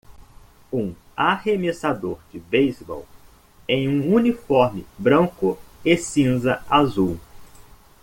Um arremessador de beisebol em um uniforme branco e cinza azul.